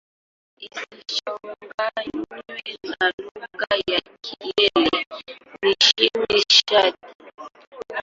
Isichanganywe na lugha ya Kilele nchini Chad.